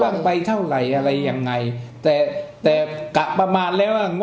ว่าไปเท่าไหร่อะไรยังไงแต่แต่กะประมาณแล้วว่า